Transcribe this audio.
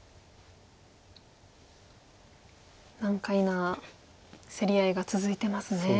難解な競り合いが続いてますね。